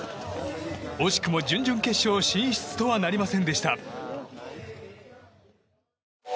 惜しくも準々決勝進出とはなりませんでした。